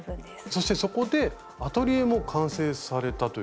そしてそこでアトリエも完成されたという。